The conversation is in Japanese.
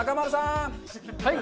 はい！